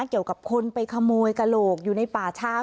เกี่ยวกับคนไปขโมยกระโหลกอยู่ในป่าช้า